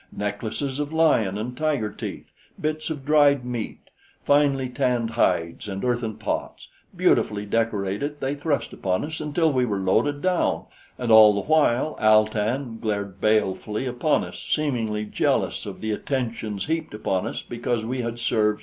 Necklaces of lion and tiger teeth, bits of dried meat, finely tanned hides and earthen pots, beautifully decorated, they thrust upon us until we were loaded down, and all the while Al tan glared balefully upon us, seemingly jealous of the attentions heaped upon us because we had served Chal az.